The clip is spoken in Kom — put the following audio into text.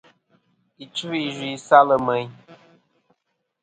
Ɨchfɨ̀-iyvɨ-i salɨ meyn.